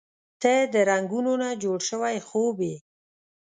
• ته د رنګونو نه جوړ شوی خوب یې.